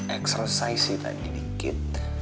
eksersai sih tadi dikit